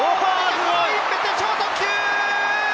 コロインベテ、超特急！